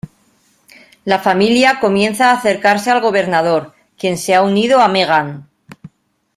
La familia comienza a acercarse al Gobernador, quien se ha unido a Meghan.